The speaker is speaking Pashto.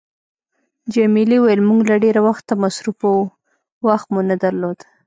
جميلې وويل: موږ له ډېره وخته مصروفه وو، وخت مو نه درلود.